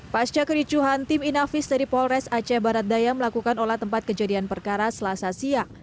pasca kericuhan tim inavis dari polres aceh barat daya melakukan olah tempat kejadian perkara selasa siang